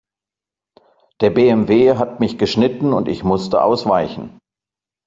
Der BMW hat mich geschnitten und ich musste ausweichen.